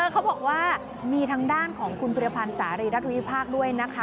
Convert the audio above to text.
เขาบอกว่ามีทางด้านของคุณพิรพันธ์สารีรัฐวิพากษ์ด้วยนะคะ